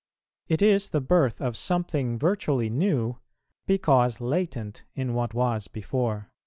It is the birth of something virtually new, because latent in what was before.